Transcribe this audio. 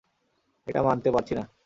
এটা মানতে পারছি না।